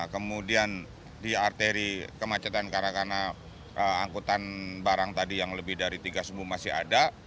kemudian di arteri kemacetan karena angkutan barang tadi yang lebih dari tiga sumbu masih ada